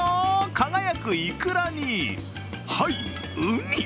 輝くいくらに、はい、うに！